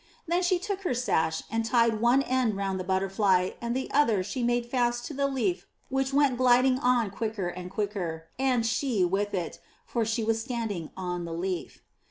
Then she took her sash and tied one end round the butterfly, and the other she made fast to the leaf which went gliding on quicker and quicker, and she with it, for she was standing on the leaf.